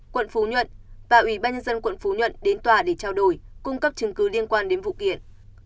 quận phú nhuận và ủy ban nhân dân quận phú nhuận đến tòa để trao đổi cung cấp chứng cứ liên quan đến vụ kiện